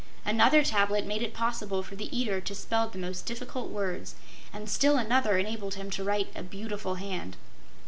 Another tablet made it possible for the eater to spell the most difficult words, and still another enabled him to write a beautiful hand.